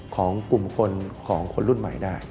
ของกลุ่มคนของคนรุ่นใหม่ได้